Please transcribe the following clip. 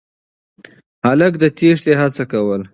هلک د تېښتې هڅه کوله.